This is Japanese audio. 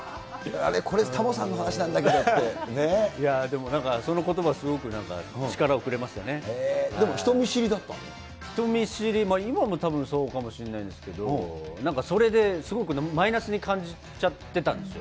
あれ、これ、タモさんの話なでもなんか、そのことばはすでも、人見知り、今もたぶんそうかもしれないんですけれども、なんか、それですごくマイナスに感じちゃってたんですよ。